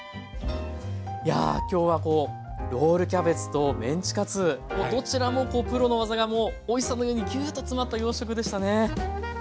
いや今日はこうロールキャベツとメンチカツもうどちらもプロの技がおいしさの上にギュッと詰まった洋食でしたね。